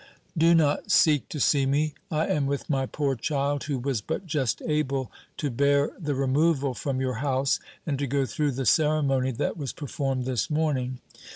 "Do not seek to see me. I am with my poor child, who was but just able to bear the removal from your house, and to go through the ceremony that was performed this morning.